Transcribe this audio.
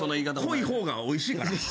濃い方がおいしいから。